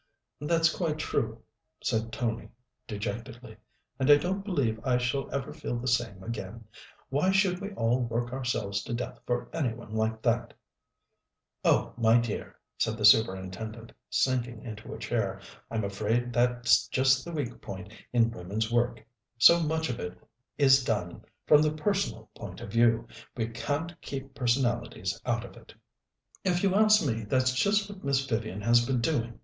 "That's quite true," said Tony dejectedly, "and I don't believe I shall ever feel the same again. Why should we all work ourselves to death for any one like that?" "Oh, my dear," said the Superintendent, sinking into a chair, "I'm afraid that's just the weak point in women's work. So much of it is done from the personal point of view. We can't keep personalities out of it." "If you ask me, that's just what Miss Vivian has been doing.